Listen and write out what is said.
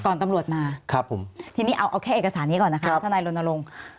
ตำรวจมาครับผมทีนี้เอาแค่เอกสารนี้ก่อนนะคะทนายรณรงค์